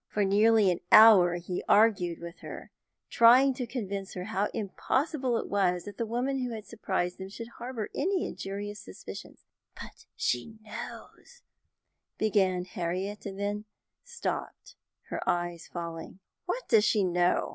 For nearly an hour he argued with her, trying to convince her how impossible it was that the woman who had surprised them should harbour any injurious suspicions. "But she knows " began Harriet, and then stopped, her eyes falling. "What does she know?"